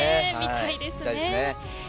見たいですね。